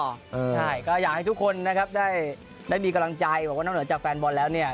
ใช่ก็อยากให้ทุกคนนะครับได้มีกำลังใจบอกว่านอกเหนือจากแฟนบอลแล้วเนี่ย